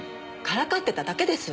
からかってただけです。